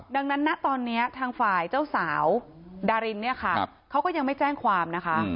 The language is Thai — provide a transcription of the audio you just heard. ดังนั้นนะตอนนี้ทางฝ่ายเจ้าสาวดารินเนี่ยค่ะเขาก็ยังไม่แจ้งความนะคะ